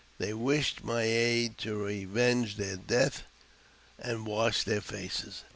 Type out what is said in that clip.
They wished fy aid to revenge their deaths and wash their faces.